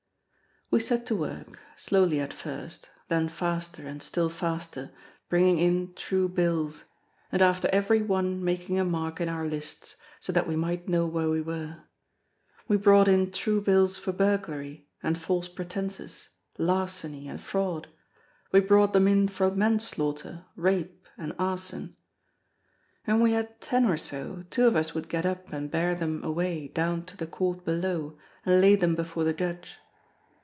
We set to work, slowly at first, then faster and still faster, bringing in true bills; and after every one making a mark in our lists so that we might know where we were. We brought in true bills for burglary, and false pretences, larceny, and fraud; we brought them in for manslaughter, rape, and arson. When we had ten or so, two of us would get up and bear them away down to the Court below and lay them before the Judge.